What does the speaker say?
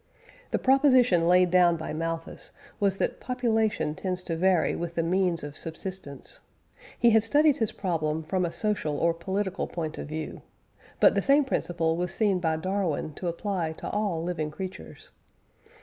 The proposition laid down by Malthus was that population tends to vary with the means of subsistence. He had studied his problem from a social or political point of view, but the same principle was seen by Darwin to apply to all living creatures.